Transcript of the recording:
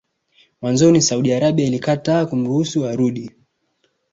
Mwanzoni Saudi Arabia ilikataa kumruhusu arudi